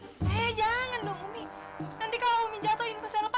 eh jangan dong ummi